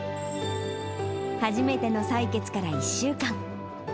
初めての採血から１週間。